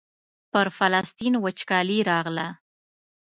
پر فلسطین وچکالي راغله.